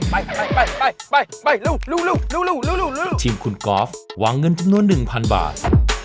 ไปทีมขุนกอฟวางเงินจำนวน๑๐๐๐บาท